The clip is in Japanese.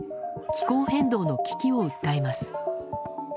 気候変動の危機を訴えます。